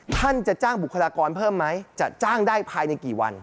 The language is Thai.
ท่านจะจ้างบุคลากรเพิ่มไหมจะจ้างได้ภายในกี่วัน